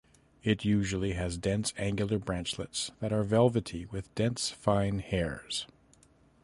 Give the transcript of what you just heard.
It usually has dense angular branchlets that are velvety with dense fine hairs.